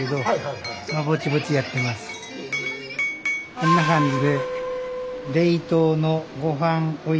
こんな感じで。